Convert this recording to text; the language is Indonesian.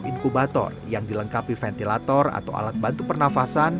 dan empat inkubator yang dilengkapi ventilator atau alat bantu pernafasan